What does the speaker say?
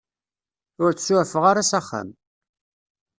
Ur t-suɛfeɣ ara s axxam.